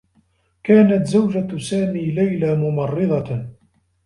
كانت زوجة سامي، ليلى، ممرّضة.